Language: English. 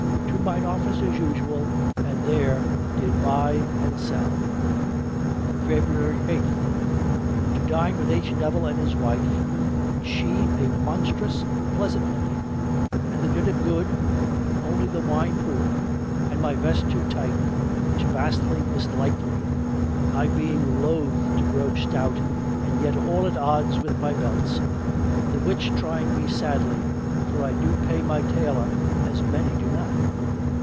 To mine office as usual and there did buy and sell. February eighth To dine with H. Nevil and his wife and she a monstrous pleasant lady and the dinner good only the wine poor and my vest too tight which vastly misliked me, I being loth to grow stout and yet all at odds with my belts, the which trying me sadly for I do pay my tailor as many do not.